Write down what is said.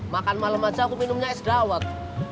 makan malam aja aku minumnya es dawet